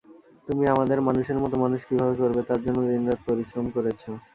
তুমি আমাদের মানুষের মতো মানুষ কীভাবে করবে, তার জন্য দিন-রাত পরিশ্রম করেছ।